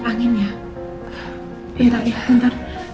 biar enak kasih tante